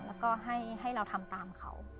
แล้วก็ให้เราทำตามเขา